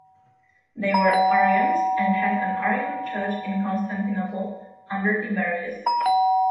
They were Arians and had an Arian church in Constantinople under Tiberius.